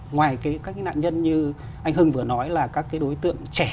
ngoài các cái nạn nhân như anh hưng vừa nói là các cái đối tượng trẻ